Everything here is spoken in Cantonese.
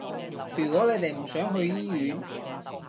如果你哋唔想去醫院